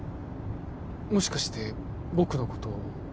もしかして僕のこと？